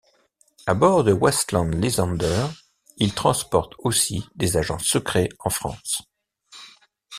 À bord de Westland Lysander, il transporte aussi des agents secrets en France.